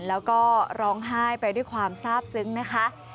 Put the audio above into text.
แล้วก็ร้องไห้ไปด้วยความทราบซึ้งนะคะ